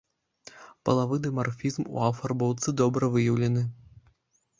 Палавы дымарфізм у афарбоўцы добра выяўлены.